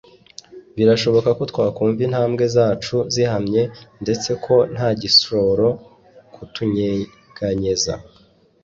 Birashoboka ko twakumva intambwe zacu zihamye ndetse ko ntagishobora kutunyeganyeza.